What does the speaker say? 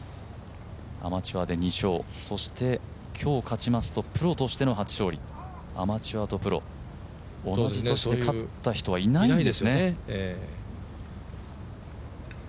アマチュアで２勝そして今日勝ちますとプロとしての初勝利アマチュアとプロ同じ歳で勝った人はいないんですね。